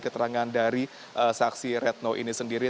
keterangan dari saksi retno ini sendiri